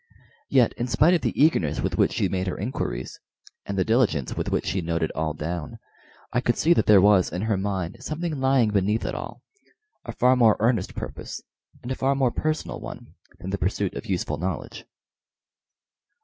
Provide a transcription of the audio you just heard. Yet, in spite of the eagerness with which she made her inquiries, and the diligence with which she noted all down, I could see that there was in her mind something lying beneath it all a far more earnest purpose, and a far more personal one, than the pursuit of useful knowledge.